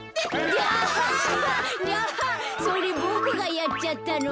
ギャハそれボクがやっちゃったの。